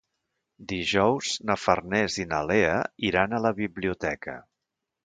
Dijous na Farners i na Lea iran a la biblioteca.